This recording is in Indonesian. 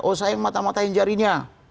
oh sayang matah matahin jarinya